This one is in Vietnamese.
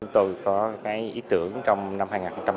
tôi có cái ý tưởng trong năm hai nghìn một mươi năm